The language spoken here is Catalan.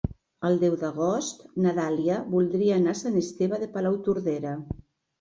El deu d'agost na Dàlia voldria anar a Sant Esteve de Palautordera.